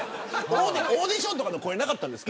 オーディションとか声掛けられなかったんですか。